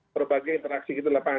berbagai interaksi kita di lapangan